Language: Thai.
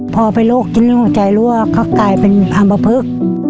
พอไปโรคดิ้นหัวใจรั่วเขากลายเป็นอัมพพึก